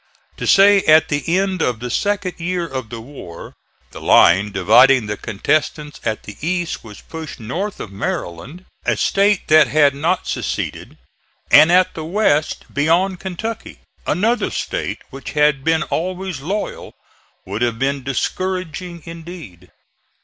To say at the end of the second year of the war the line dividing the contestants at the East was pushed north of Maryland, a State that had not seceded, and at the West beyond Kentucky, another State which had been always loyal, would have been discouraging indeed.